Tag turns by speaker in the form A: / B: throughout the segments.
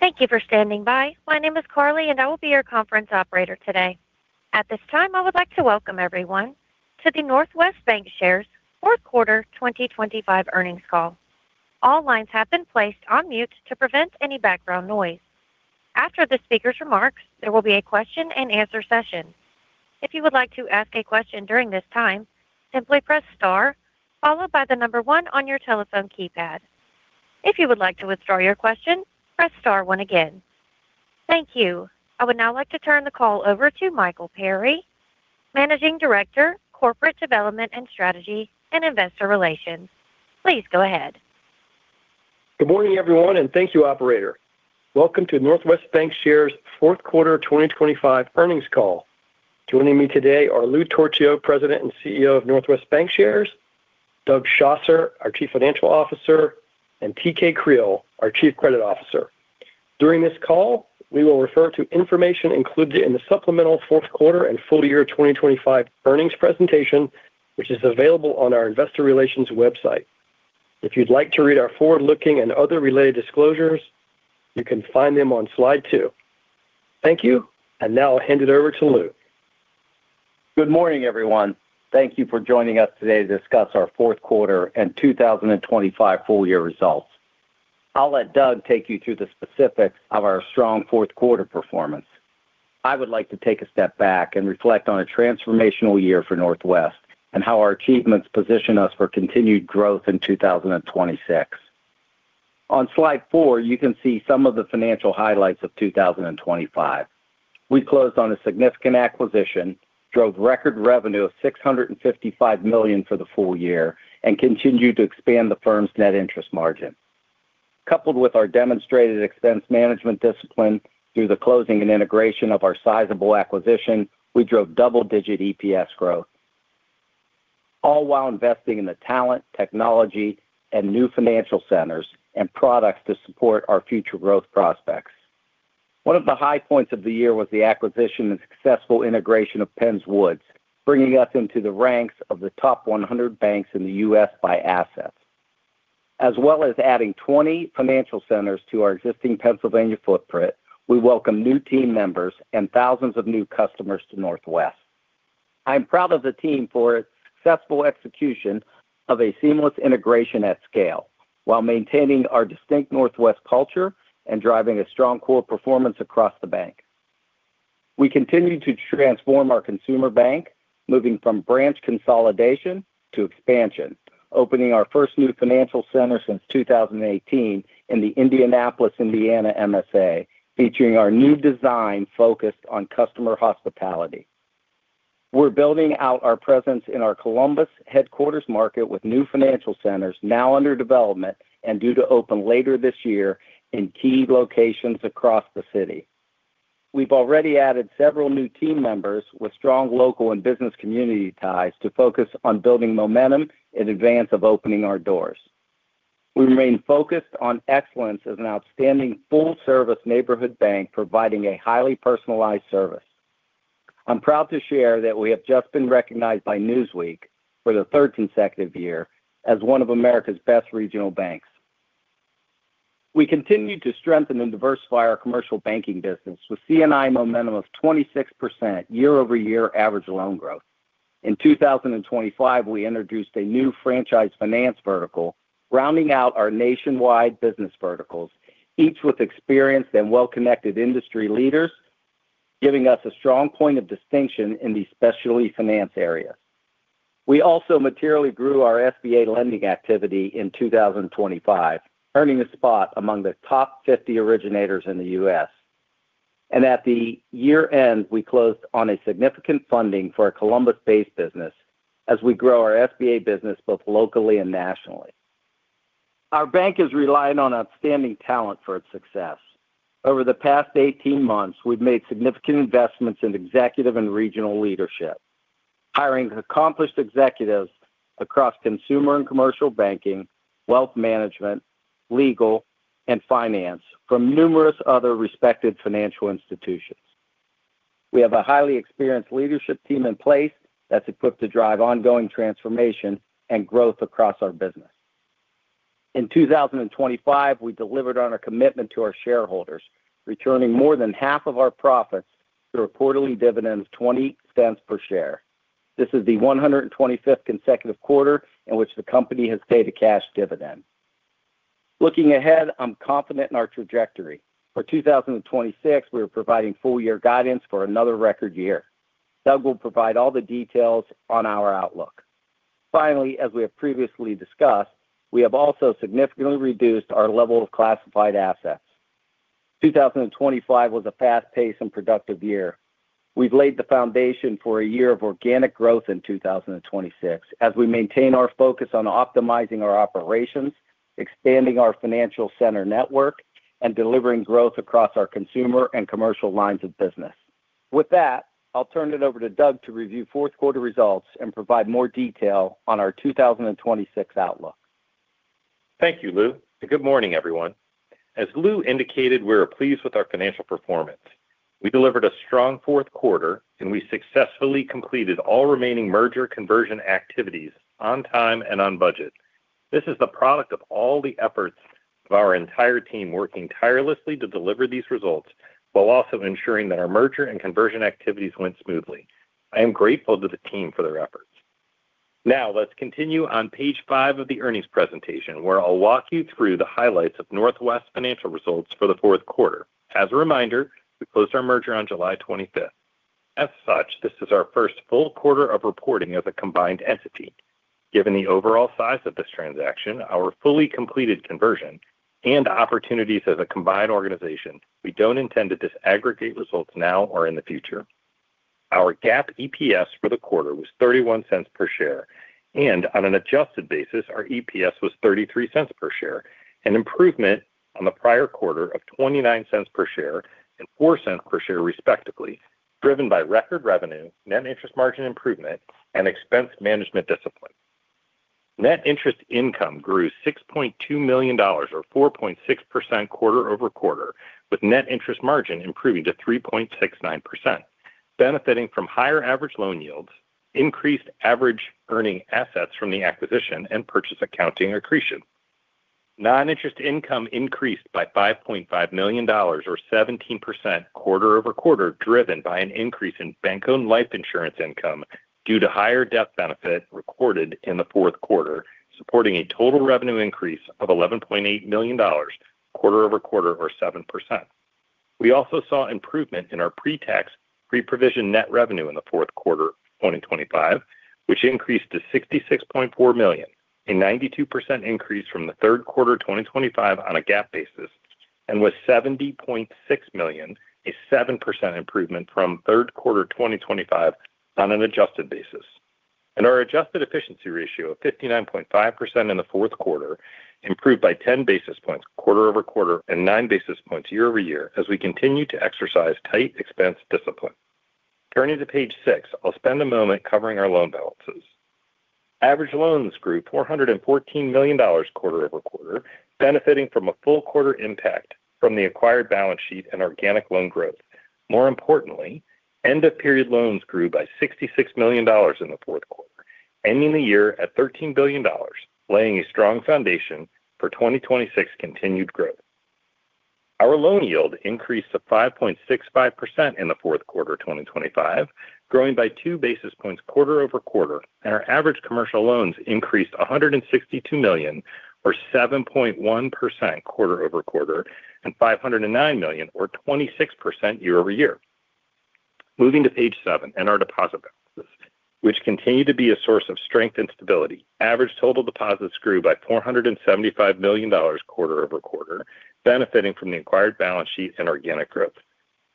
A: Thank you for standing by. My name is Carly, and I will be your conference operator today. At this time, I would like to welcome everyone to the Northwest Bancshares Q4 2025 earnings call. All lines have been placed on mute to prevent any background noise. After the speaker's remarks, there will be a question and answer session. If you would like to ask a question during this time, simply press star followed by the number one on your telephone keypad. If you would like to withdraw your question, press star one again. Thank you. I would now like to turn the call over to Michael Perry, Managing Director, Corporate Development and Strategy and Investor Relations. Please go ahead.
B: Good morning, everyone, and thank you, operator. Welcome to Northwest Bancshares Q4 2025 earnings call. Joining me today are Lou Torchio, President and CEO of Northwest Bancshares, Doug Schosser, our Chief Financial Officer, and T.K. Creal, our Chief Credit Officer. During this call, we will refer to information included in the supplemental Q4 and full year 2025 earnings presentation, which is available on our investor relations website. If you'd like to read our forward-looking and other related disclosures, you can find them on slide 2. Thank you, and now I'll hand it over to Lou.
C: Good morning, everyone. Thank you for joining us today to discuss our Q4 and 2025 full year results. I'll let Doug take you through the specifics of our strong Q4 performance. I would like to take a step back and reflect on a transformational year for Northwest and how our achievements position us for continued growth in 2026. On slide four, you can see some of the financial highlights of 2025. We closed on a significant acquisition, drove record revenue of $655 million for the full year, and continued to expand the firm's net interest margin. Coupled with our demonstrated expense management discipline through the closing and integration of our sizable acquisition, we drove double-digit EPS growth, all while investing in the talent, technology, and new financial centers and products to support our future growth prospects. One of the high points of the year was the acquisition and successful integration of Penns Woods, bringing us into the ranks of the top 100 banks in the U.S. by assets. As well as adding 20 financial centers to our existing Pennsylvania footprint, we welcome new team members and thousands of new customers to Northwest. I'm proud of the team for its successful execution of a seamless integration at scale while maintaining our distinct Northwest culture and driving a strong core performance across the bank. We continue to transform our consumer bank, moving from branch consolidation to expansion, opening our first new financial center since 2018 in the Indianapolis, Indiana, MSA, featuring our new design focused on customer hospitality. We're building out our presence in our Columbus headquarters market, with new financial centers now under development and due to open later this year in key locations across the city. We've already added several new team members with strong local and business community ties to focus on building momentum in advance of opening our doors. We remain focused on excellence as an outstanding full-service neighborhood bank, providing a highly personalized service. I'm proud to share that we have just been recognized by Newsweek for the third consecutive year as one of America's best regional banks. We continue to strengthen and diversify our commercial banking business with C&I momentum of 26% year-over-year average loan growth. In 2025, we introduced a new franchise finance vertical, rounding out our nationwide business verticals, each with experienced and well-connected industry leaders, giving us a strong point of distinction in the specialty finance area. We also materially grew our SBA lending activity in 2025, earning a spot among the top 50 originators in the U.S. At the year-end, we closed on a significant funding for a Columbus-based business as we grow our SBA business both locally and nationally. Our bank is relying on outstanding talent for its success. Over the past 18 months, we've made significant investments in executive and regional leadership, hiring accomplished executives across consumer and commercial banking, wealth management, legal, and finance from numerous other respected financial institutions. We have a highly experienced leadership team in place that's equipped to drive ongoing transformation and growth across our business. In 2025, we delivered on our commitment to our shareholders, returning more than half of our profits through a quarterly dividend of $0.20 per share. This is the 125th consecutive quarter in which the company has paid a cash dividend. Looking ahead, I'm confident in our trajectory. For 2026, we are providing full-year guidance for another record year. Doug will provide all the details on our outlook. Finally, as we have previously discussed, we have also significantly reduced our level of classified assets. 2025 was a fast-paced and productive year. We've laid the foundation for a year of organic growth in 2026 as we maintain our focus on optimizing our operations, expanding our financial center network, and delivering growth across our consumer and commercial lines of business. With that, I'll turn it over to Doug to review Q4 results and provide more detail on our 2026 outlook.
D: Thank you, Lou, and good morning, everyone. As Lou indicated, we are pleased with our financial performance. We delivered a strong Q4, and we successfully completed all remaining merger conversion activities on time and on budget. ... This is the product of all the efforts of our entire team working tirelessly to deliver these results, while also ensuring that our merger and conversion activities went smoothly. I am grateful to the team for their efforts. Now, let's continue on page 5 of the earnings presentation, where I'll walk you through the highlights of Northwest's financial results for the Q4. As a reminder, we closed our merger on July 25. As such, this is our first full quarter of reporting as a combined entity. Given the overall size of this transaction, our fully completed conversion and opportunities as a combined organization, we don't intend to disaggregate results now or in the future. Our GAAP EPS for the quarter was $0.31 per share, and on an adjusted basis, our EPS was $0.33 per share, an improvement on the prior quarter of $0.29 per share and $0.04 per share, respectively, driven by record revenue, net interest margin improvement, and expense management discipline. Net interest income grew $6.2 million or 4.6% quarter-over-quarter, with net interest margin improving to 3.69%, benefiting from higher average loan yields, increased average earning assets from the acquisition, and purchase accounting accretion. Non-interest income increased by $5.5 million, or 17% quarter-over-quarter, driven by an increase in bank-owned life insurance income due to higher death benefit recorded in the Q4, supporting a total revenue increase of $11.8 million quarter-over-quarter or 7%. We also saw improvement in our pre-tax, pre-provision net revenue in the Q4 of 2025, which increased to $66.4 million, a 92% increase from the Q3 2025 on a GAAP basis, and was $70.6 million, a 7% improvement from Q3 2025 on an adjusted basis. Our adjusted efficiency ratio of 59.5% in the Q4 improved by 10 basis points quarter-over-quarter and 9 basis points year-over-year as we continue to exercise tight expense discipline. Turning to page six, I'll spend a moment covering our loan balances. Average loans grew $414 million quarter-over-quarter, benefiting from a full quarter impact from the acquired balance sheet and organic loan growth. More importantly, end-of-period loans grew by $66 million in the Q4, ending the year at $13 billion, laying a strong foundation for 2026 continued growth. Our loan yield increased to 5.65% in the Q4 of 2025, growing by 2 basis points quarter-over-quarter, and our average commercial loans increased $162 million or 7.1% quarter-over-quarter, and $509 million or 26% year-over-year. Moving to page 7 and our deposit balances, which continue to be a source of strength and stability. Average total deposits grew by $475 million quarter-over-quarter, benefiting from the acquired balance sheet and organic growth.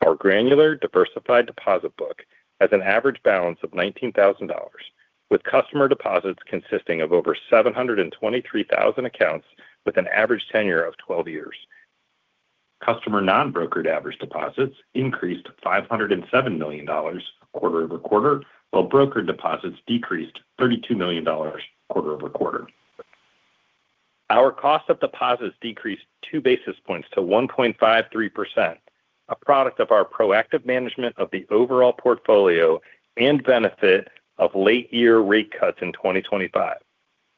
D: Our granular, diversified deposit book has an average balance of $19,000, with customer deposits consisting of over 723,000 accounts with an average tenure of 12 years. Customer non-brokered average deposits increased $507 million quarter-over-quarter, while brokered deposits decreased $32 million quarter-over-quarter. Our cost of deposits decreased 2 basis points to 1.53%, a product of our proactive management of the overall portfolio and benefit of late year rate cuts in 2025.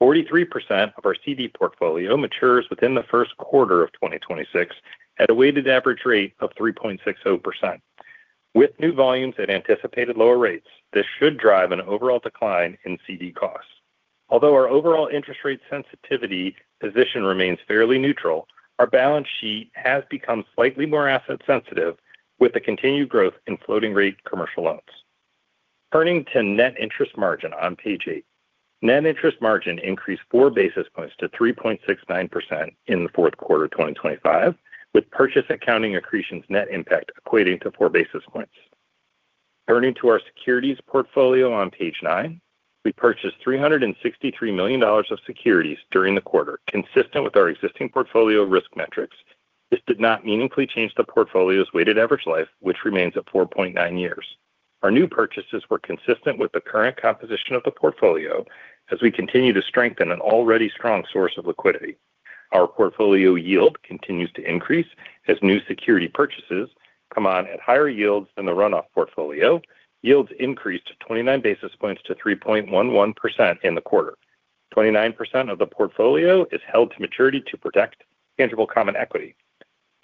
D: 43% of our CD portfolio matures within the Q1 of 2026 at a weighted average rate of 3.6%. With new volumes at anticipated lower rates, this should drive an overall decline in CD costs. Although our overall interest rate sensitivity position remains fairly neutral, our balance sheet has become slightly more asset sensitive with the continued growth in floating rate commercial loans. Turning to net interest margin on page 8. Net interest margin increased 4 basis points to 3.69% in the Q4 of 2025, with purchase accounting accretions net impact equating to 4 basis points. Turning to our securities portfolio on page 9, we purchased $363 million of securities during the quarter. Consistent with our existing portfolio risk metrics, this did not meaningfully change the portfolio's weighted average life, which remains at 4.9 years. Our new purchases were consistent with the current composition of the portfolio as we continue to strengthen an already strong source of liquidity. Our portfolio yield continues to increase as new security purchases come on at higher yields than the run-off portfolio. Yields increased to 29 basis points to 3.11% in the quarter. 29% of the portfolio is held to maturity to protect tangible common equity.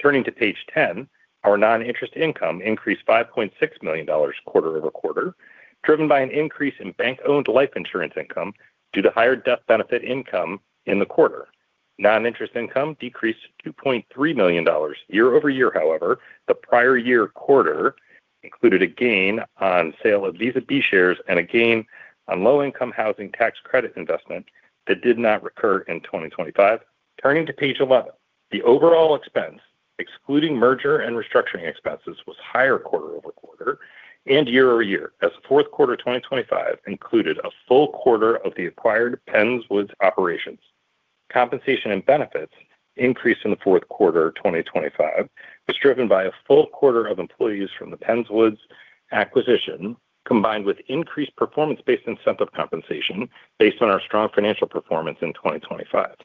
D: Turning to page ten, our non-interest income increased $5.6 million quarter-over-quarter, driven by an increase in bank-owned life insurance income due to higher death benefit income in the quarter. Non-interest income decreased to $0.3 million year-over-year. However, the prior year quarter included a gain on sale of Visa Class B shares and a gain on low-income housing tax credit investment that did not recur in 2025. Turning to page eleven. The overall expense, excluding merger and restructuring expenses, was higher quarter-over-quarter and year-over-year, as Q4 2025 included a full quarter of the acquired Penns Woods operations. Compensation and benefits increase in the Q4 of 2025 was driven by a full quarter of employees from the Penns Woods acquisition, combined with increased performance-based incentive compensation based on our strong financial performance in 2025.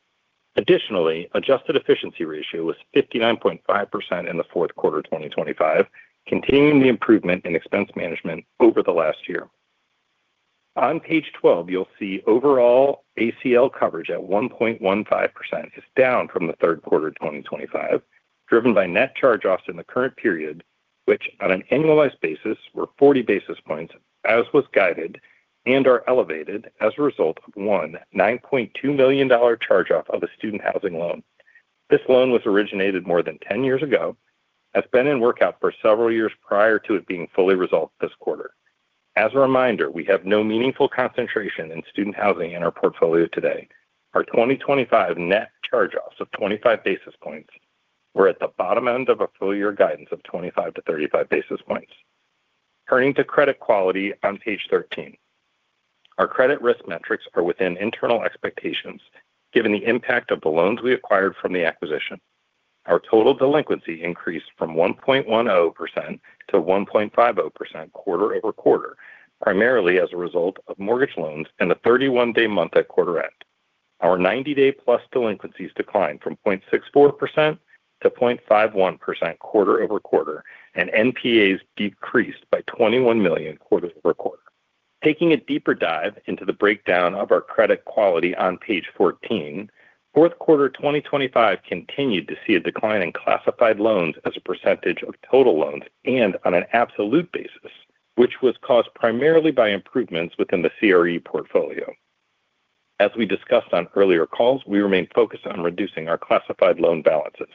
D: Additionally, adjusted efficiency ratio was 59.5% in the Q4 of 2025, continuing the improvement in expense management over the last year. On page twelve, you'll see overall ACL coverage at 1.15% is down from the Q3 of 2025, driven by net charge-offs in the current period, which on an annualized basis, were 40 basis points, as was guided, and are elevated as a result of a $19.2 million charge-off of a student housing loan. This loan was originated more than 10 years ago, has been in workout for several years prior to it being fully resolved this quarter. As a reminder, we have no meaningful concentration in student housing in our portfolio today. Our 2025 net charge-offs of 25 basis points were at the bottom end of a full year guidance of 25-35 basis points. Turning to credit quality on page thirteen. Our credit risk metrics are within internal expectations, given the impact of the loans we acquired from the acquisition. Our total delinquency increased from 1.10% -1.50% quarter-over-quarter, primarily as a result of mortgage loans and a 31-day month at quarter-end. Our 90-day-plus delinquencies declined from 0.64% - 0.51% quarter-over-quarter, and NPAs decreased by $21 million quarter-over-quarter. Taking a deeper dive into the breakdown of our credit quality on page 14, Q4 2025 continued to see a decline in classified loans as a percentage of total loans and on an absolute basis, which was caused primarily by improvements within the CRE portfolio. As we discussed on earlier calls, we remain focused on reducing our classified loan balances.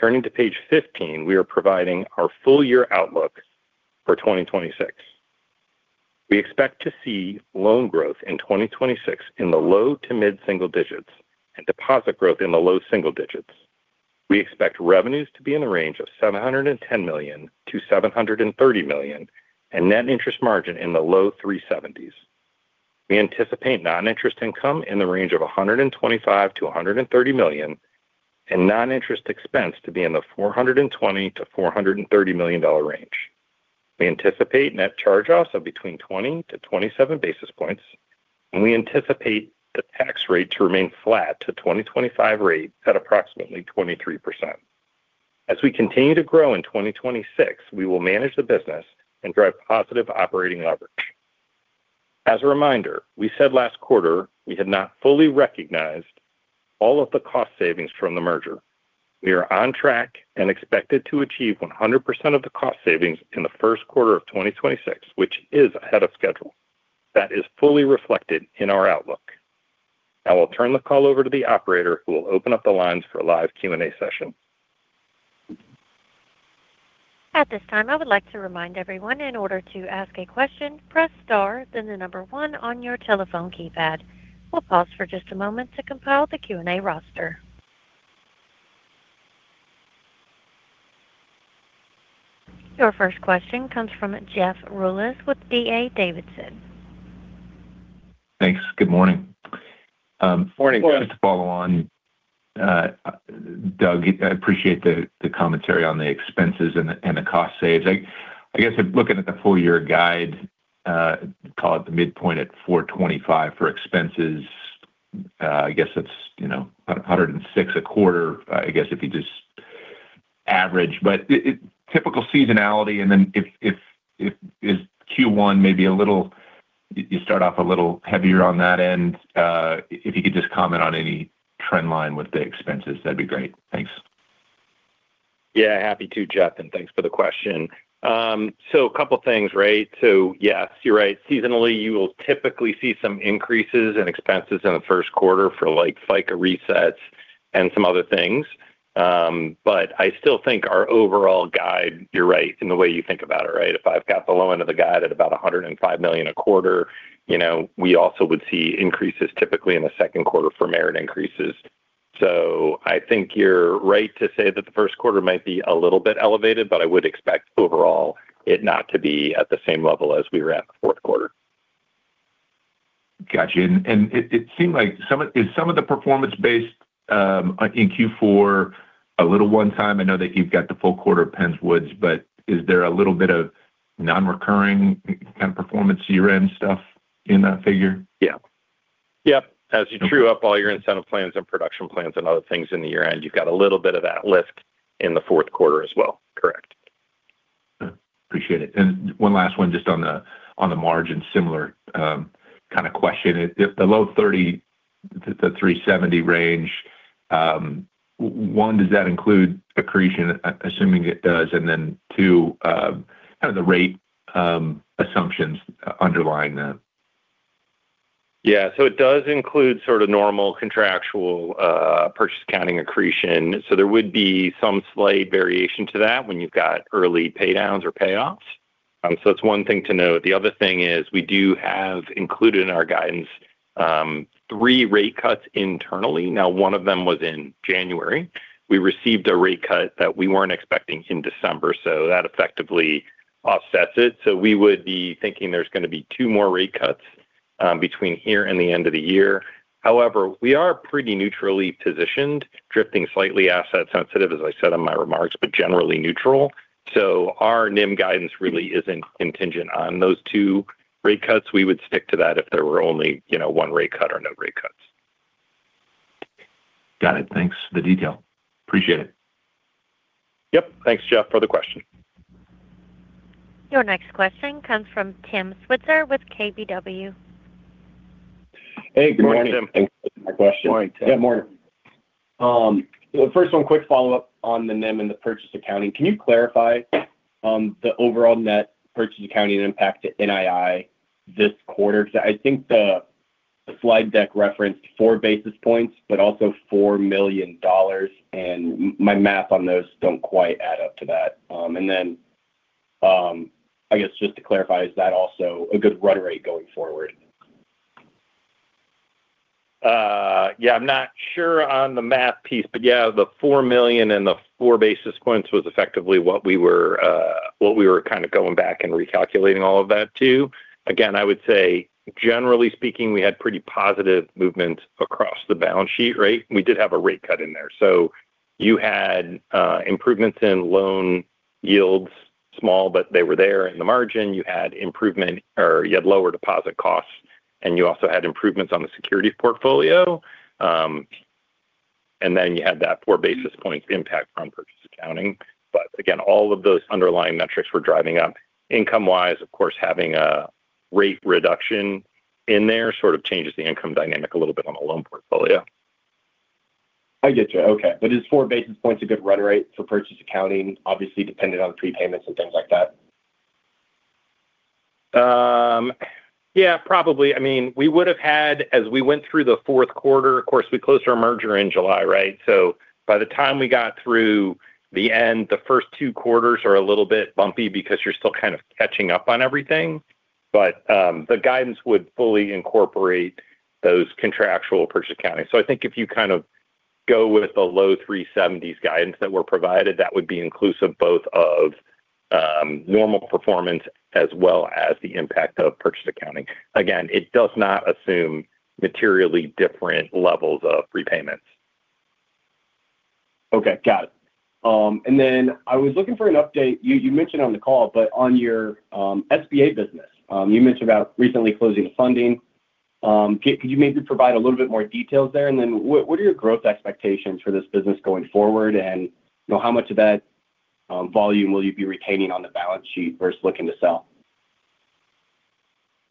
D: Turning to page 15, we are providing our full year outlook for 2026. We expect to see loan growth in 2026 in the low-to-mid single digits and deposit growth in the low single digits. We expect revenues to be in the range of $710 million-$730 million, and net interest margin in the low 3.70s. We anticipate non-interest income in the range of $125 million-$130 million, and non-interest expense to be in the $420 million-$430 million range. We anticipate net charge-offs of between 20 to 27 basis points, and we anticipate the tax rate to remain flat to 2025 rate at approximately 23%. As we continue to grow in 2026, we will manage the business and drive positive operating leverage. As a reminder, we said last quarter we had not fully recognized all of the cost savings from the merger. We are on track and expected to achieve 100% of the cost savings in the Q1 of 2026, which is ahead of schedule. That is fully reflected in our outlook. I will turn the call over to the operator, who will open up the lines for a live Q&A session.
A: At this time, I would like to remind everyone in order to ask a question, press star, then the number one on your telephone keypad. We'll pause for just a moment to compile the Q&A roster. Your first question comes from Jeff Rulis with D.A. Davidson.
E: Thanks. Good morning.
D: Good morning.
E: Just to follow on, Doug, I appreciate the commentary on the expenses and the cost saves. I guess, looking at the full year guide, call it the midpoint at $425 for expenses, I guess that's, you know, $106 a quarter, I guess, if you just average. But it, typical seasonality, and then if Q1 maybe a little-- you start off a little heavier on that end. If you could just comment on any trend line with the expenses, that'd be great. Thanks.
D: Yeah, happy to, Jeff, and thanks for the question. So a couple of things, right? So yes, you're right. Seasonally, you will typically see some increases in expenses in the Q1 for, like, FICA resets and some other things. But I still think our overall guide, you're right in the way you think about it, right? If I've got the low end of the guide at about $105 million a quarter, you know, we also would see increases typically in the Q2 for merit increases. So I think you're right to say that the Q1 might be a little bit elevated, but I would expect overall it not to be at the same level as we were at the Q4.
E: Got you. And it seemed like some of the performance based in Q4 is a little one time? I know that you've got the full quarter of Penns Woods, but is there a little bit of non-recurring kind of performance year-end stuff in that figure?
D: Yeah. Yep. As you true up all your incentive plans and production plans and other things in the year-end, you've got a little bit of that lift in the Q4 as well. Correct.
E: Appreciate it. And one last one, just on the margin, similar kind of question. If the low 30s, the 370 range, one, does that include accretion? Assuming it does, and then two, kind of the rate assumptions underlying that.
D: Yeah. So it does include sort of normal contractual purchase accounting accretion. So there would be some slight variation to that when you've got early pay downs or payoffs. So that's one thing to note. The other thing is we do have included in our guidance 3 rate cuts internally. Now, one of them was in January. We received a rate cut that we weren't expecting in December, so that effectively offsets it. So we would be thinking there's going to be two more rate cuts between here and the end of the year. However, we are pretty neutrally positioned, drifting slightly asset sensitive, as I said in my remarks, but generally neutral. So our NIM guidance really isn't contingent on those two rate cuts. We would stick to that if there were only, you know, one rate cut or no rate cut....
E: Got it. Thanks for the detail. Appreciate it.
D: Yep. Thanks, Jeff, for the question.
A: Your next question comes from Tim Switzer with KBW.
F: Hey, good morning.
D: Good morning, Tim.
F: Thanks for taking my question.
D: Morning, Tim.
F: Yeah, morning. Well, first one, quick follow-up on the NIM and the purchase accounting. Can you clarify, the overall net purchase accounting impact to NII this quarter? Because I think the, the slide deck referenced 4 basis points, but also $4 million, and my math on those don't quite add up to that. And then, I guess just to clarify, is that also a good run rate going forward?
D: Yeah, I'm not sure on the math piece, but yeah, the $4 million and the 4 basis points was effectively what we were, what we were kind of going back and recalculating all of that to. Again, I would say, generally speaking, we had pretty positive movement across the balance sheet, right? We did have a rate cut in there. So you had improvements in loan yields, small, but they were there in the margin. You had lower deposit costs, and you also had improvements on the securities portfolio. And then you had that 4 basis points impact from purchase accounting. But again, all of those underlying metrics were driving up income-wise. Of course, having a rate reduction in there sort of changes the income dynamic a little bit on the loan portfolio.
F: I get you. Okay. But is 4 basis points a good run rate for purchase accounting? Obviously, dependent on prepayments and things like that.
D: Yeah, probably. I mean, we would have had as we went through the Q4... Of course, we closed our merger in July, right? So by the time we got through the end, the first two quarters are a little bit bumpy because you're still kind of catching up on everything. But, the guidance would fully incorporate those contractual purchase accounting. So I think if you kind of go with the low 370s guidance that were provided, that would be inclusive both of, normal performance as well as the impact of purchase accounting. Again, it does not assume materially different levels of prepayments.
F: Okay, got it. And then I was looking for an update. You, you mentioned on the call, but on your SBA business, you mentioned about recently closing the funding. Could you maybe provide a little bit more details there? And then what, what are your growth expectations for this business going forward? And, you know, how much of that volume will you be retaining on the balance sheet versus looking to sell?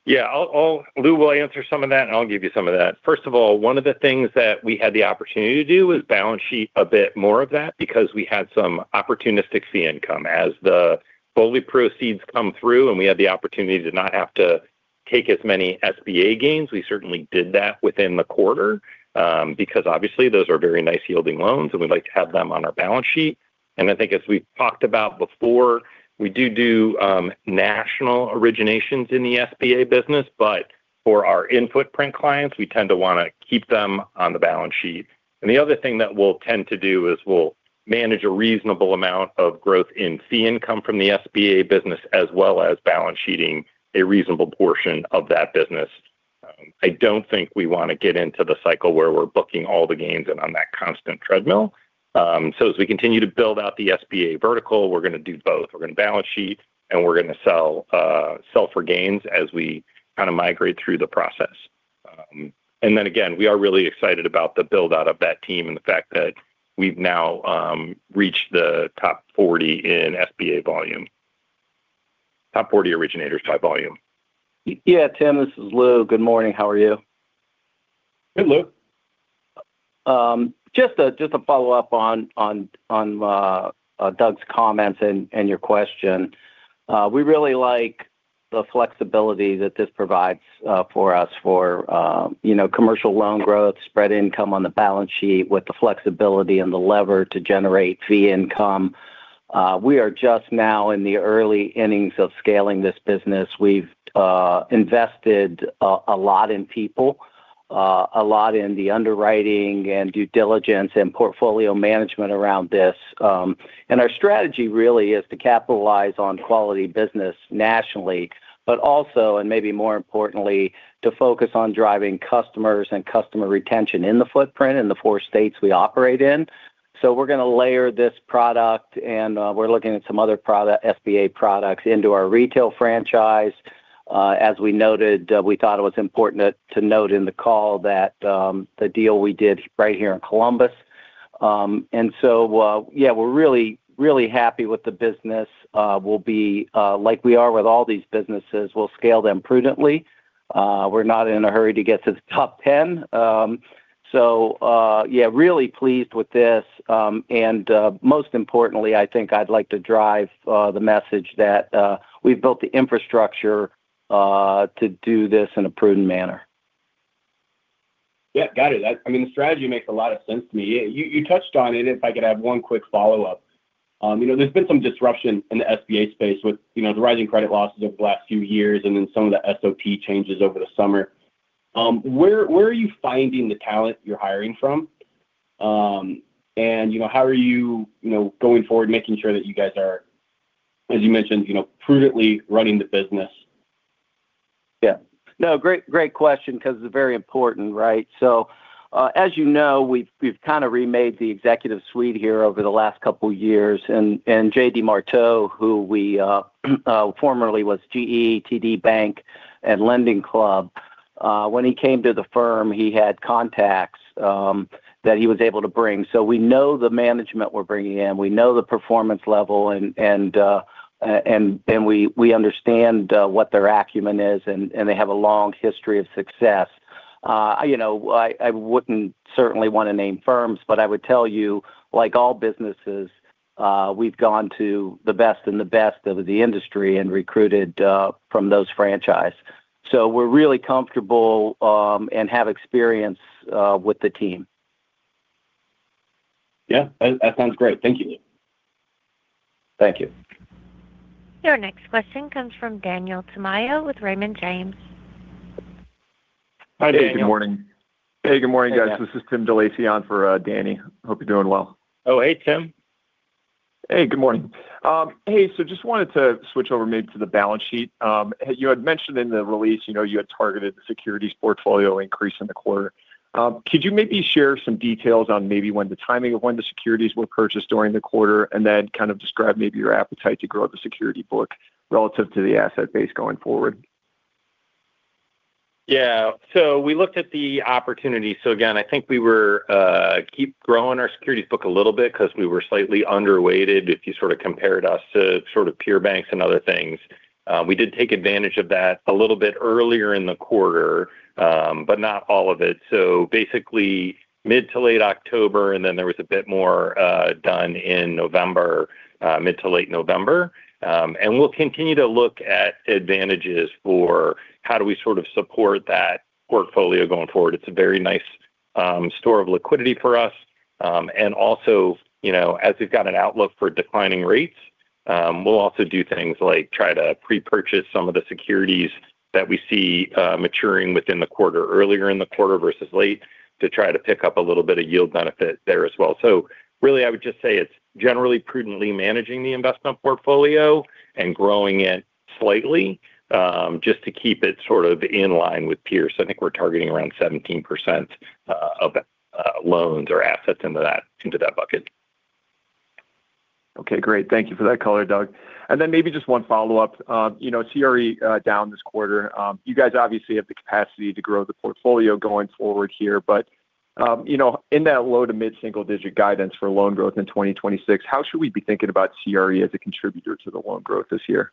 D: Yeah, I'll, Lou will answer some of that, and I'll give you some of that. First of all, one of the things that we had the opportunity to do was balance sheet a bit more of that because we had some opportunistic fee income. As the full proceeds come through, and we had the opportunity to not have to take as many SBA gains, we certainly did that within the quarter, because obviously those are very nice yielding loans, and we'd like to have them on our balance sheet. And I think as we've talked about before, we do do national originations in the SBA business, but for our in-footprint clients, we tend to want to keep them on the balance sheet. The other thing that we'll tend to do is we'll manage a reasonable amount of growth in fee income from the SBA business, as well as balance sheeting a reasonable portion of that business. I don't think we want to get into the cycle where we're booking all the gains and on that constant treadmill. So as we continue to build out the SBA vertical, we're going to do both. We're going to balance sheet, and we're going to sell, sell for gains as we kind of migrate through the process. And then again, we are really excited about the build-out of that team and the fact that we've now reached the top 40 in SBA volume. Top 40 originators by volume.
C: Yeah, Tim, this is Lou. Good morning. How are you?
F: Hey, Lou.
C: Just a follow-up on Doug's comments and your question. We really like the flexibility that this provides for us, you know, commercial loan growth, spread income on the balance sheet with the flexibility and the lever to generate fee income. We are just now in the early innings of scaling this business. We've invested a lot in people, a lot in the underwriting and due diligence and portfolio management around this. And our strategy really is to capitalize on quality business nationally, but also, and maybe more importantly, to focus on driving customers and customer retention in the footprint in the four states we operate in. So we're going to layer this product, and we're looking at some other product, SBA products into our retail franchise. As we noted, we thought it was important to note in the call that the deal we did right here in Columbus. And so, yeah, we're really, really happy with the business. We'll be, like we are with all these businesses, we'll scale them prudently. We're not in a hurry to get to the top 10. So, yeah, really pleased with this. And, most importantly, I think I'd like to drive the message that we've built the infrastructure to do this in a prudent manner.
F: Yeah, got it. That—I mean, the strategy makes a lot of sense to me. You touched on it. If I could have one quick follow-up. You know, there's been some disruption in the SBA space with, you know, the rising credit losses over the last few years and then some of the SOP changes over the summer. Where are you finding the talent you're hiring from? And, you know, how are you, you know, going forward, making sure that you guys are, as you mentioned, you know, prudently running the business?
C: Yeah. No, great, great question because it's very important, right? So, as you know, we've kind of remade the executive suite here over the last couple of years, and Jay DesMarteau, who formerly was GE, TD Bank, and LendingClub-... when he came to the firm, he had contacts that he was able to bring. So we know the management we're bringing in, we know the performance level, and we understand what their acumen is, and they have a long history of success. You know, I wouldn't certainly want to name firms, but I would tell you, like all businesses, we've gone to the best and the best of the industry and recruited from those franchise. So we're really comfortable and have experience with the team.
F: Yeah, that, that sounds great. Thank you.
C: Thank you.
A: Your next question comes from Daniel Tamayo with Raymond James.
C: Hi, Daniel.
D: Good morning.
G: Hey, good morning, guys. This is Tim DeLacy on for Danny. Hope you're doing well.
D: Oh, hey, Tim.
G: Hey, good morning. Hey, so just wanted to switch over maybe to the balance sheet. You had mentioned in the release, you know, you had targeted the securities portfolio increase in the quarter. Could you maybe share some details on maybe when the timing of when the securities were purchased during the quarter, and then kind of describe maybe your appetite to grow the security book relative to the asset base going forward?
D: Yeah. So we looked at the opportunity. So again, I think we were keep growing our securities book a little bit 'cause we were slightly underweighted if you sort of compared us to sort of peer banks and other things. We did take advantage of that a little bit earlier in the quarter, but not all of it. So basically, mid to late October, and then there was a bit more done in November, mid to late November. And we'll continue to look at advantages for how do we sort of support that portfolio going forward. It's a very nice store of liquidity for us. And also, you know, as we've got an outlook for declining rates, we'll also do things like try to pre-purchase some of the securities that we see maturing within the quarter, earlier in the quarter versus late, to try to pick up a little bit of yield benefit there as well. So really, I would just say it's generally prudently managing the investment portfolio and growing it slightly, just to keep it sort of in line with peers. I think we're targeting around 17% of loans or assets into that, into that bucket.
G: Okay, great. Thank you for that color, Doug. And then maybe just one follow-up. You know, CRE down this quarter, you guys obviously have the capacity to grow the portfolio going forward here, but, you know, in that low to mid-single digit guidance for loan growth in 2026, how should we be thinking about CRE as a contributor to the loan growth this year?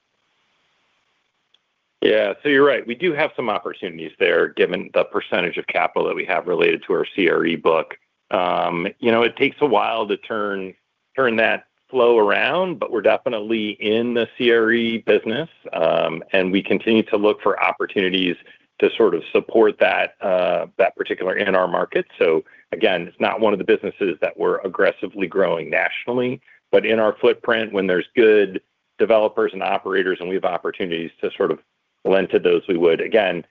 D: Yeah. So you're right. We do have some opportunities there, given the percentage of capital that we have related to our CRE book. You know, it takes a while to turn that flow around, but we're definitely in the CRE business. And we continue to look for opportunities to sort of support that particular in our market. So again, it's not one of the businesses that we're aggressively growing nationally, but in our footprint, when there's good developers and operators and we have opportunities to sort of lend to those, we would. Again,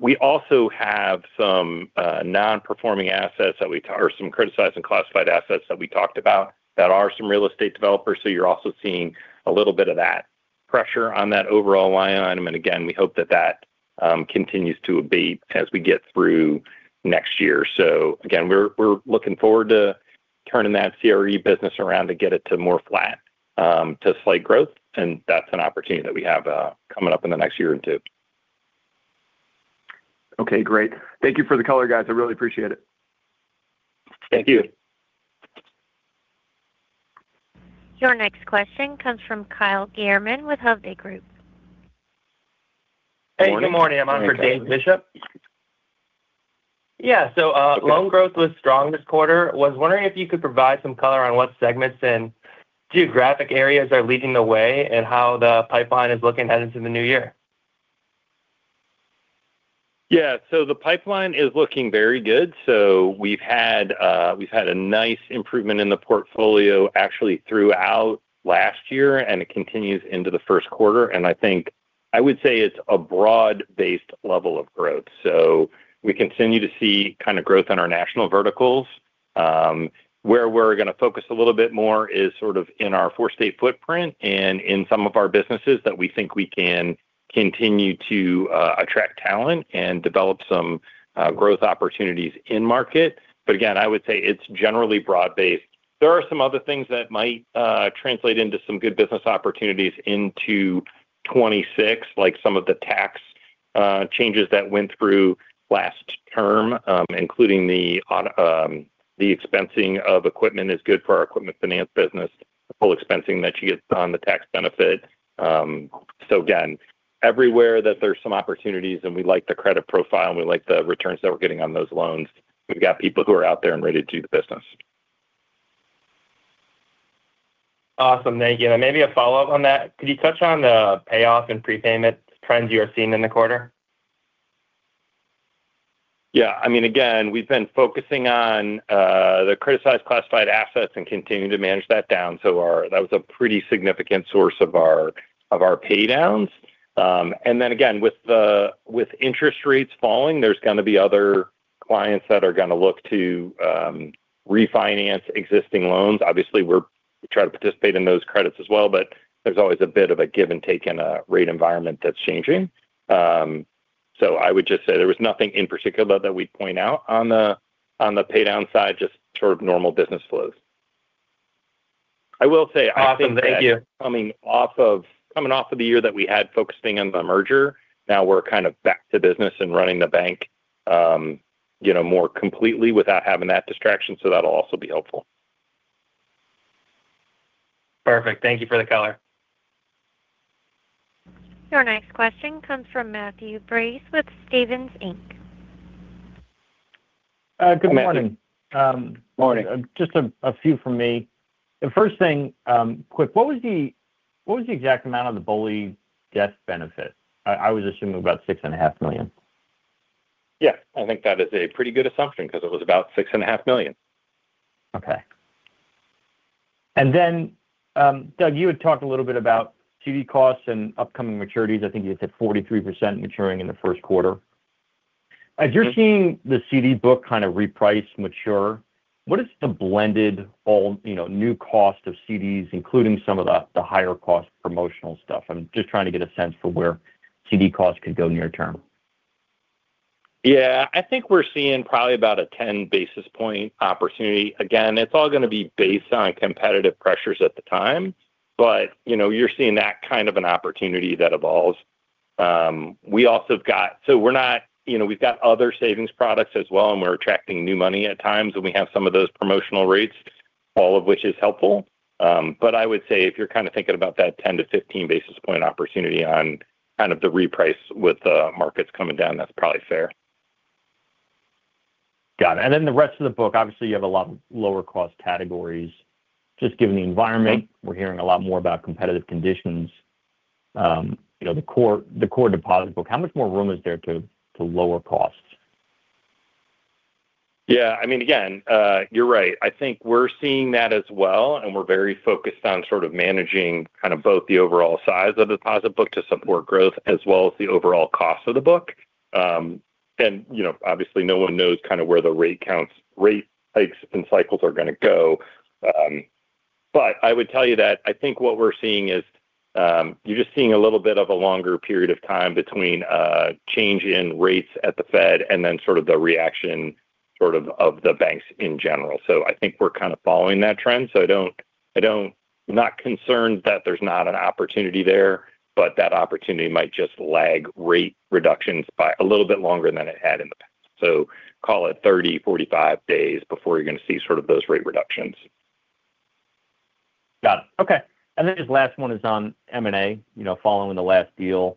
D: we also have some non-performing assets that we or some criticized and classified assets that we talked about that are some real estate developers. So you're also seeing a little bit of that pressure on that overall line item. Again, we hope that that continues to abate as we get through next year. So again, we're looking forward to turning that CRE business around to get it to more flat, to slight growth, and that's an opportunity that we have coming up in the next year or two.
G: Okay, great. Thank you for the color, guys. I really appreciate it.
D: Thank you.
A: Your next question comes from Kyle Gierman with Hovde Group.
H: Hey, good morning. I'm on for Dave Bishop. Yeah, so, loan growth was strong this quarter. Was wondering if you could provide some color on what segments and geographic areas are leading the way, and how the pipeline is looking headed into the new year?
D: Yeah. So the pipeline is looking very good. So we've had, we've had a nice improvement in the portfolio actually throughout last year, and it continues into the Q1. And I think I would say it's a broad-based level of growth. So we continue to see kind of growth in our national verticals. Where we're going to focus a little bit more is sort of in our four-state footprint and in some of our businesses that we think we can continue to attract talent and develop some growth opportunities in market. But again, I would say it's generally broad-based. There are some other things that might translate into some good business opportunities into 2026, like some of the tax changes that went through last term, including the expensing of equipment is good for our equipment finance business, the full expensing that you get on the tax benefit. So again, everywhere that there's some opportunities and we like the credit profile, and we like the returns that we're getting on those loans, we've got people who are out there and ready to do the business.
H: Awesome. Thank you. Maybe a follow-up on that. Could you touch on the payoff and prepayment trends you are seeing in the quarter?
D: Yeah. I mean, again, we've been focusing on the criticized classified assets and continuing to manage that down. So that was a pretty significant source of our paydowns. And then again, with interest rates falling, there's going to be other clients that are going to look to refinance existing loans. Obviously, we try to participate in those credits as well, but there's always a bit of a give and take in a rate environment that's changing. So I would just say there was nothing in particular that we'd point out on the paydown side, just sort of normal business flows.... I will say, I think that coming off of, coming off of the year that we had focusing on the merger, now we're kind of back to business and running the bank, you know, more completely without having that distraction. So that'll also be helpful.
H: Perfect. Thank you for the color.
A: Your next question comes from Matthew Breese with Stephens Inc.
I: Good morning.
D: Morning.
I: Just a few from me. The first thing, quick: what was the exact amount of the BOLI death benefit? I was assuming about $6.5 million.
D: Yeah, I think that is a pretty good assumption, 'cause it was about $6.5 million.
I: Okay. And then, Doug, you had talked a little bit about CD costs and upcoming maturities. I think you said 43% maturing in the Q1. As you're seeing the CD book kind of reprice, mature, what is the blended all, you know, new cost of CDs, including some of the higher cost promotional stuff? I'm just trying to get a sense for where CD costs could go near term.
D: Yeah. I think we're seeing probably about a 10 basis point opportunity. Again, it's all going to be based on competitive pressures at the time, but, you know, you're seeing that kind of an opportunity that evolves. We also have, you know, we've got other savings products as well, and we're attracting new money at times, and we have some of those promotional rates, all of which is helpful. But I would say if you're kind of thinking about that 10- to 15 basis point opportunity on kind of the reprice with the markets coming down, that's probably fair.
I: Got it. And then the rest of the book, obviously, you have a lot of lower cost categories. Just given the environment-
D: Right.
I: We're hearing a lot more about competitive conditions, you know, the core, the core deposit book. How much more room is there to, to lower costs?
D: Yeah. I mean, again, you're right. I think we're seeing that as well, and we're very focused on sort of managing kind of both the overall size of the deposit book to support growth as well as the overall cost of the book. And, you know, obviously, no one knows kind of where the rate counts, rate hikes and cycles are going to go. But I would tell you that I think what we're seeing is, you're just seeing a little bit of a longer period of time between change in rates at the Fed and then sort of the reaction sort of of the banks in general. So I think we're kind of following that trend. So I'm not concerned that there's not an opportunity there, but that opportunity might just lag rate reductions by a little bit longer than it had in the past. So call it 30-45 days before you're going to see sort of those rate reductions.
I: Got it. Okay. And then this last one is on M&A. You know, following the last deal,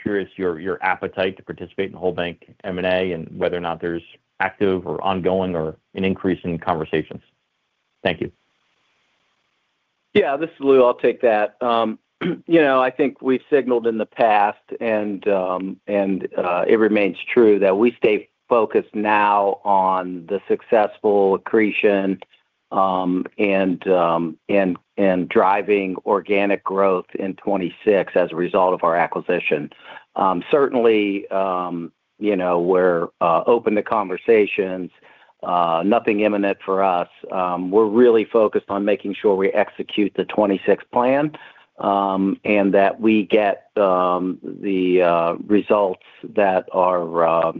I: curious your appetite to participate in whole bank M&A and whether or not there's active or ongoing or an increase in conversations? Thank you.
C: Yeah, this is Lou. I'll take that. You know, I think we've signaled in the past, and it remains true, that we stay focused now on the successful accretion, and driving organic growth in 2026 as a result of our acquisition. Certainly, you know, we're open to conversations, nothing imminent for us. We're really focused on making sure we execute the 2026 plan, and that we get the results that are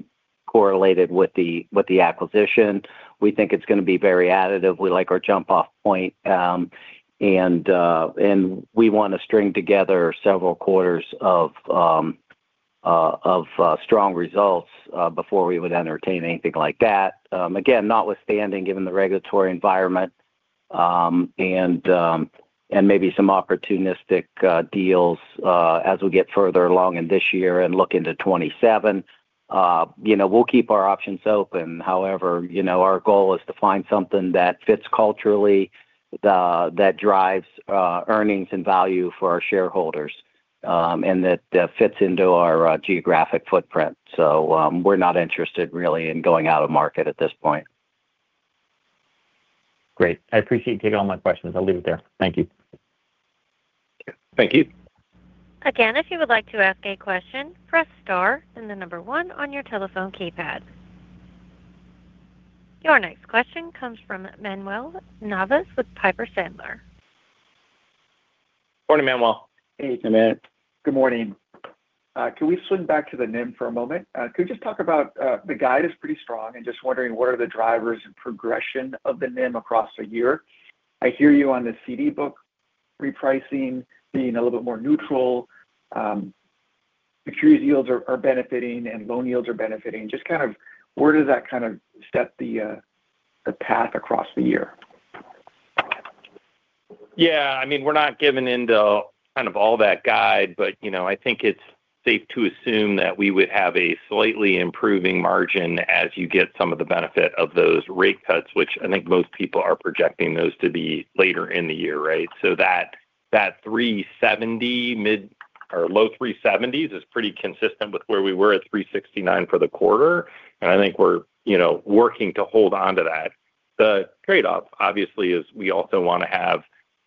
C: correlated with the acquisition. We think it's going to be very additive. We like our jump-off point, and we want to string together several quarters of strong results before we would entertain anything like that. Again, notwithstanding, given the regulatory environment, and and maybe some opportunistic deals, as we get further along in this year and look into 2027, you know, we'll keep our options open. However, you know, our goal is to find something that fits culturally, that drives earnings and value for our shareholders, and that fits into our geographic footprint. So, we're not interested really in going out of market at this point.
I: Great. I appreciate you taking all my questions. I'll leave it there. Thank you.
D: Thank you.
A: Again, if you would like to ask a question, press star and the number one on your telephone keypad. Your next question comes from Manuel Navas with Piper Sandler.
D: Morning, Manuel.
C: Hey, Manuel.
J: Good morning. Can we swing back to the NIM for a moment? Could you just talk about the guide is pretty strong and just wondering what are the drivers and progression of the NIM across a year? I hear you on the CD book repricing being a little bit more neutral. Securities yields are benefiting and loan yields are benefiting. Just kind of where does that kind of set the path across the year?
D: Yeah, I mean, we're not giving into kind of all that guide, but, you know, I think it's safe to assume that we would have a slightly improving margin as you get some of the benefit of those rate cuts, which I think most people are projecting those to be later in the year, right? So that 3.70 mid or low 3.70s is pretty consistent with where we were at 3.69 for the quarter. And I think we're, you know, working to hold on to that. The trade-off, obviously, is we also want to have,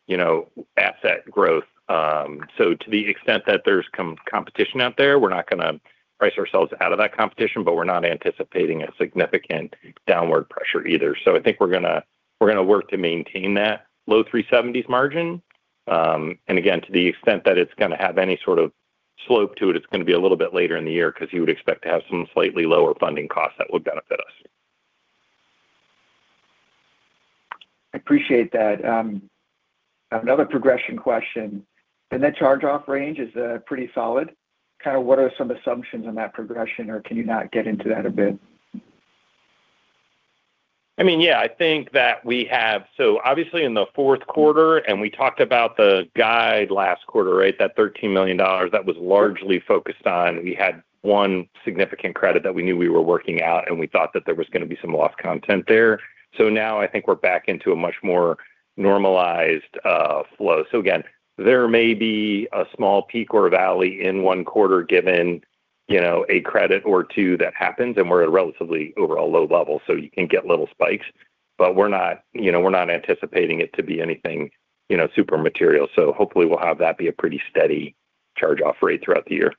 D: you know, asset growth. So to the extent that there's competition out there, we're not going to price ourselves out of that competition, but we're not anticipating a significant downward pressure either. So I think we're gonna, we're gonna work to maintain that low 3.70s margin. And again, to the extent that it's gonna have any sort of slope to it, it's going to be a little bit later in the year because you would expect to have some slightly lower funding costs that would benefit us.
J: I appreciate that. Another progression question. That charge-off range is pretty solid? Kind of what are some assumptions on that progression, or can you not get into that a bit?
D: I mean, yeah, I think that we have. So obviously, in the Q4, and we talked about the guide last quarter, right? That $13 million, that was largely focused on... We had one significant credit that we knew we were working out, and we thought that there was going to be some lost content there. So now I think we're back into a much more normalized flow. So again, there may be a small peak or a valley in one quarter, given, you know, a credit or two that happens, and we're at a relatively overall low level, so you can get little spikes. But we're not, you know, we're not anticipating it to be anything, you know, super material. So hopefully we'll have that be a pretty steady charge-off rate throughout the year.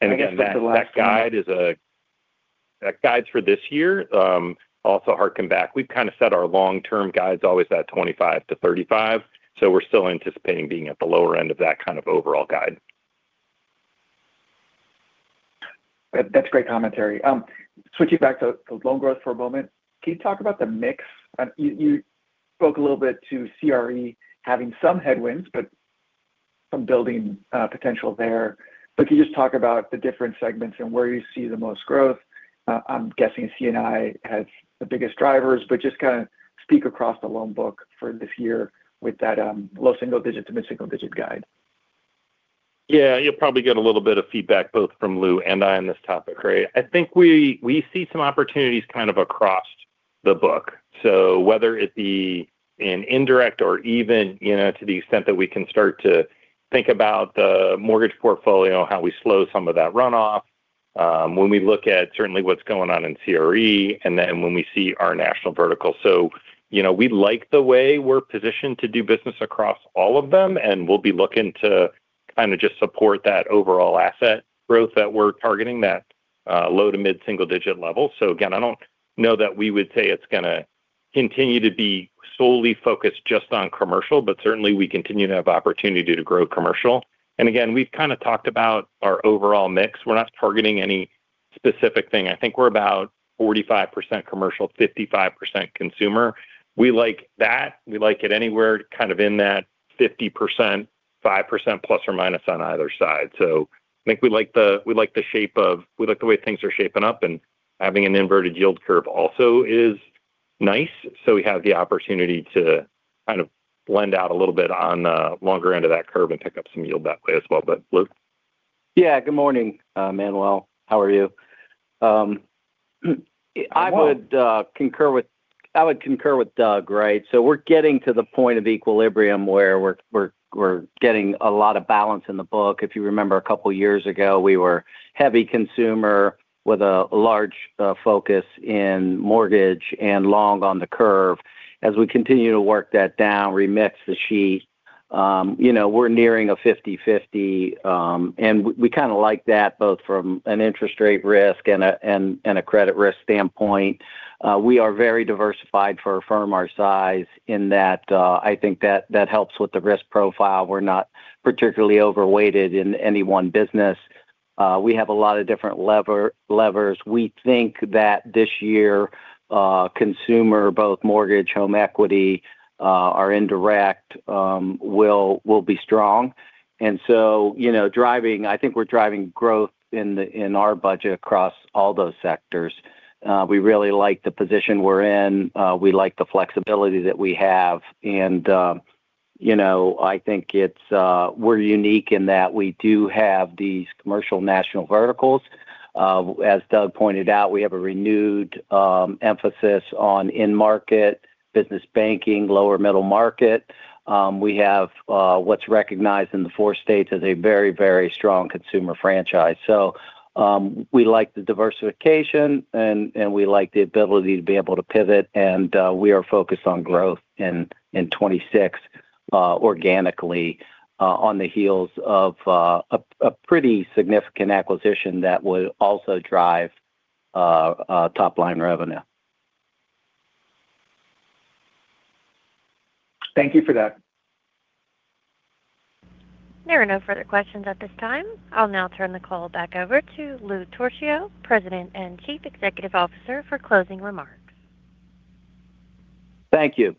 J: And again, that's the last one.
D: That guide is for this year. Also hearken back, we've kind of set our long-term guides always at 25-35, so we're still anticipating being at the lower end of that kind of overall guide.
J: That's great commentary. Switching back to loan growth for a moment, can you talk about the mix? You spoke a little bit to CRE having some headwinds, but some building potential there. But can you just talk about the different segments and where you see the most growth? I'm guessing C&I has the biggest drivers, but just kind of speak across the loan book for this year with that low single digit to mid-single digit guide.
D: Yeah, you'll probably get a little bit of feedback, both from Lou and I on this topic, right? I think we see some opportunities kind of across the book. So whether it be in indirect or even, you know, to the extent that we can start to think about the mortgage portfolio, how we slow some of that runoff, when we look at certainly what's going on in CRE, and then when we see our national vertical. So, you know, we like the way we're positioned to do business across all of them, and we'll be looking to kind of just support that overall asset growth that we're targeting, that low to mid single digit level. So again, I don't know that we would say it's going to continue to be solely focused just on commercial, but certainly we continue to have opportunity to grow commercial. And again, we've kind of talked about our overall mix. We're not targeting any specific thing. I think we're about 45% commercial, 55% consumer. We like that. We like it anywhere kind of in that 50%, 5% plus or minus on either side. So I think we like the way things are shaping up, and having an inverted yield curve also is nice, so we have the opportunity to kind of blend out a little bit on the longer end of that curve and pick up some yield that way as well. But, Lou?
C: Yeah. Good morning, Manuel. How are you? I would concur with— I would concur with Doug, right? So we're getting to the point of equilibrium where we're getting a lot of balance in the book. If you remember, a couple of years ago, we were heavy consumer with a large focus in mortgage and long on the curve. As we continue to work that down, remix the sheet, you know, we're nearing a 50/50, and we kind of like that, both from an interest rate risk and a credit risk standpoint. We are very diversified for a firm our size, in that, I think that helps with the risk profile. We're not particularly overweighted in any one business. We have a lot of different levers. We think that this year, consumer, both mortgage, home equity, our indirect, will, will be strong. And so, you know, driving, I think we're driving growth in the, in our budget across all those sectors. We really like the position we're in. We like the flexibility that we have. And, you know, I think it's, we're unique in that we do have these commercial national verticals. As Doug pointed out, we have a renewed, emphasis on in-market business banking, lower middle market. We have, what's recognized in the four states as a very, very strong consumer franchise. We like the diversification, and we like the ability to be able to pivot, and we are focused on growth in 2026 organically, on the heels of a pretty significant acquisition that would also drive top-line revenue.
J: Thank you for that.
A: There are no further questions at this time. I'll now turn the call back over to Lou Torchio, President and Chief Executive Officer, for closing remarks.
C: Thank you.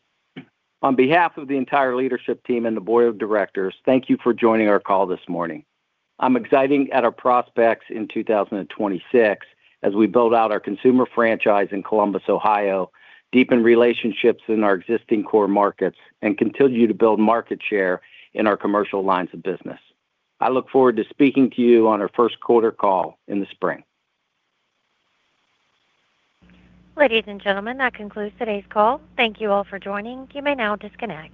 C: On behalf of the entire leadership team and the board of directors, thank you for joining our call this morning. I'm excited at our prospects in 2026 as we build out our consumer franchise in Columbus, Ohio, deepen relationships in our existing core markets, and continue to build market share in our commercial lines of business. I look forward to speaking to you on our Q1 call in the spring.
A: Ladies and gentlemen, that concludes today's call. Thank you all for joining. You may now disconnect.